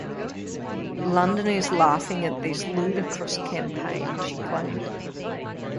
"London is laughing at this ludicrous campaign", she claimed.